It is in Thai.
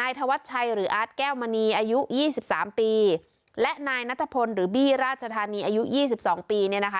นายธวัชชัยหรืออาร์ตแก้วมณีอายุยี่สิบสามปีและนายนัทพลหรือบี้ราชธานีอายุ๒๒ปีเนี่ยนะคะ